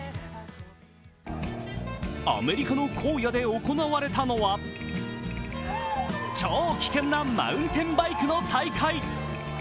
アメリカの荒野で行われたのは超危険なマウンテンバイクの大会。